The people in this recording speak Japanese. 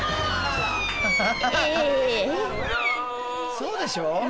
そうでしょう。